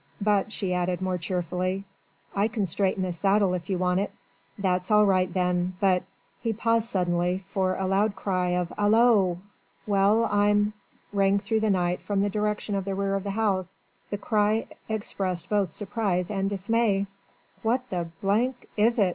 But," she added more cheerfully, "I can straighten a saddle if you want it." "That's all right then but...." He paused suddenly, for a loud cry of "Hallo! Well! I'm ..." rang through the night from the direction of the rear of the house. The cry expressed both surprise and dismay. "What the is it?"